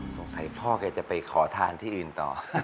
สงสัยพ่อกันจะไปขอทานที่อื่นต่อ